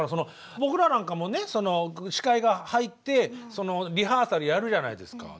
僕らなんかもねその司会が入ってリハーサルやるじゃないですか。